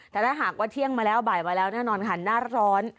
แต่ถ้าหากว่าเที่ยงมาแล้วบ่ายมาแล้วแน่นอนค่ะหน้าร้อน